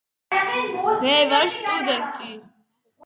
მე ვარ სტუდენტი.